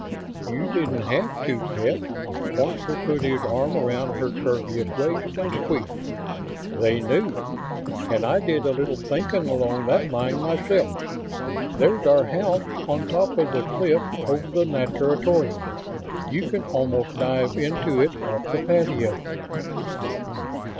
"You didn't have to, pet." Poynter put his arm around her curvaceous waist and squeezed. "They knew. And I did a little thinking along that line myself. There's our house, on top of the cliff over the natatorium you can almost dive into it off the patio."